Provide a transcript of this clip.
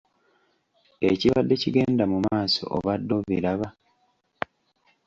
Ekibadde kigenda mu maaso obadde obiraba?